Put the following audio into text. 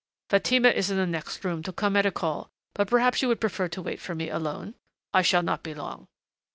"Fatima is in the next room to come at a call. But perhaps you would prefer to wait for me alone? I shall not be long."